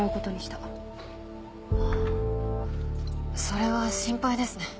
それは心配ですね。